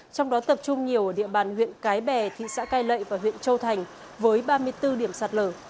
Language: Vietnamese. trong đó tập trung nhiều ở địa bàn huyện cái bè thị xã cai lậy và huyện châu thành với ba mươi bốn điểm sạt lở